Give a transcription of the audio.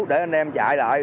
để anh em chạy lại